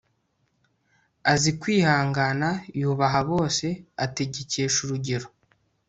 azi kwihangana, yubaha bose, ategekesha urugero